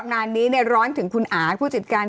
งานนี้ร้อนถึงคุณอาผู้จัดการ